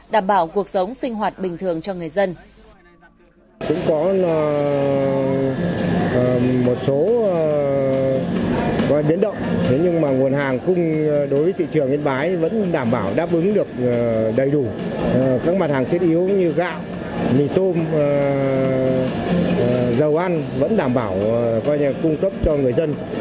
đảm bảo cuộc sống sinh hoạt bình thường cho người dân